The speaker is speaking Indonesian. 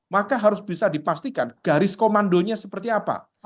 maka harus bisa dipastikan garis komandonya seperti apa